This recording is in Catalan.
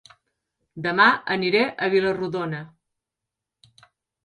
Dema aniré a Vila-rodona